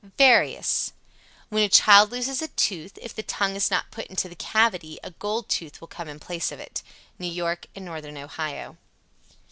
_ VARIOUS. 94. When a child loses a tooth, if the tongue is not put into the cavity a gold tooth will come in place of it. _New York and Northern Ohio.